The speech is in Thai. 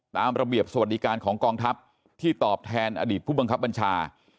ตามระเบียบสวัสดิการของกองทัพที่ตอบแทนอดีตผู้บังคับบัญชา